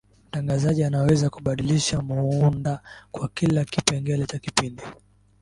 mtangazaji anaweza kubadilisha muunda kwa kila kipengele cha kipindi